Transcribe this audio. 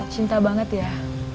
cinta banget ya